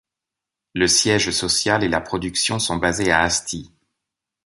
Le siège social et la production sont basés à Asti.